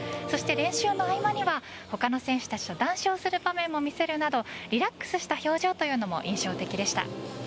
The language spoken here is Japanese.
そして練習の合間には他の選手たちと談笑する場面も見せるなどリラックスした表情というのも印象的でした。